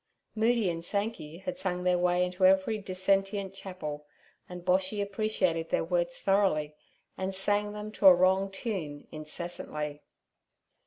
Moody and Sankey had sung their way into every dissentient chapel, and Boshy appreciated their words thoroughly, and sang them to a wrong tune incessantly.